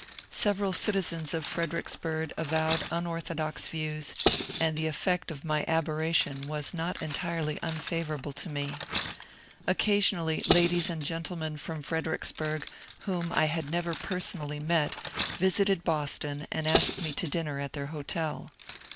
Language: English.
Several citizens of Freder icksburg avowed unorthodox views, and the effect of my ab erration was not entirely unfavourable to me. Occasionally ladies and gentlemen from Fredericksburg whom I had never personally met visited Boston and asked me to dinner at their hotel.